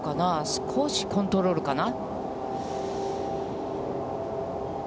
少しコントロールかな。